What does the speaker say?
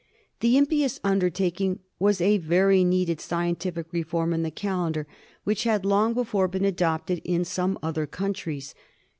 The ^Mmpious undertaking" was a very needed scien tific reform in the calendar, which had long before been adopted in some other countries.